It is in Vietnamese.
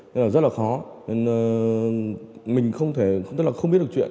nên là rất là khó nên mình không thể tức là không biết được chuyện